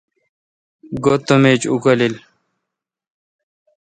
گو تم ایج اکالیل